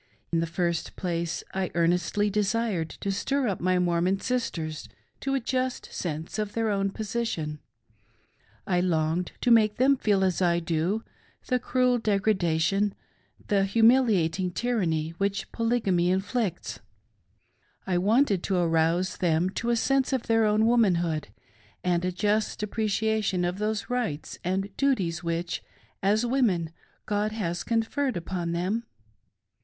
In the first place, I earnestly desired to stil up my Mormon sisters to a just sense of their own posi tion. I longed to make them feel, as I do, the cruel degrada *Mrs. Ettie V. Smitli. RIGHTS AND DUTIES OF WOMANHOOD. €19 tion, the humiliating tyranny, which Polygamy inflicts. I wanted to arouse them to a sense of their own Womanhood, and a just appreciation of those Rights and Duties which, as women, God has conferred upon them.